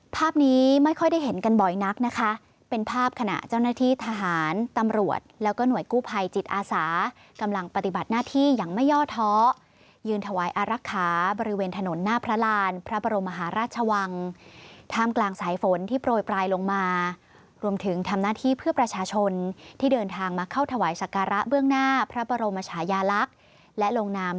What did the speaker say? ภาพนี้ไม่ค่อยได้เห็นกันบ่อยนักนะคะเป็นภาพขณะเจ้าหน้าที่ทหารตำรวจแล้วก็หน่วยกู้ภัยจิตอาสากำลังปฏิบัติหน้าที่อย่างไม่ย่อเทาะ